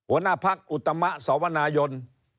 หัวหน้าพักอุตมะสวนายน